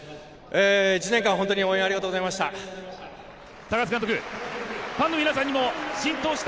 １年間本当に応援ありがとうございました。